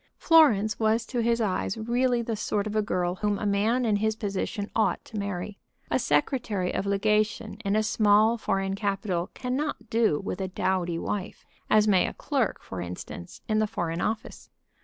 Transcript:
Florence was to his eyes really the sort of a girl whom a man in his position ought to marry. A secretary of legation in a small foreign capital cannot do with a dowdy wife, as may a clerk, for instance, in the Foreign Office.